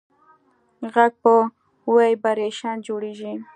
غږ په ویبرېشن جوړېږي.